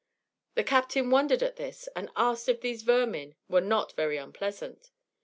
The captain wondered at this, and asked if these vermin were not very unpleasant.